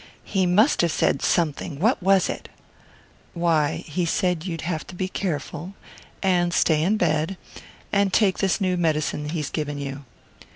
"He must have said something: what was it?" "Why, he said you'd have to be careful and stay in bed and take this new medicine he's given you."